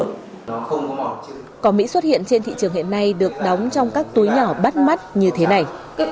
cỏ mỹ xuất hiện trên thị trường hiện nay được đóng trong các túi nhỏ bắt mắt như thế này